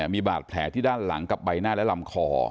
มีบาดแผลที่ด้านหลังกับใบหน้าและลำคอ